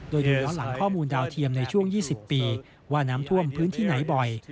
โดยเฉพาะหลังข้อมูลดาวเทียมในช่วง๒๐ปีว่าน้ำท่วมพื้นที่ไหนบ่อย